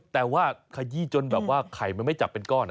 แต่ว่าขยี้จนแบบว่าไข่มันไม่จับเป็นก้อน